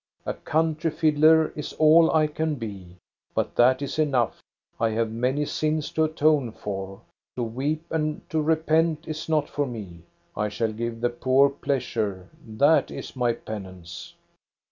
A country fiddler is all I can be, but that is enough. I have many sins to atone for. To weep and to repent is not for me. I shall give the poor pleasure, that is my penance."